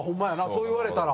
そう言われたら。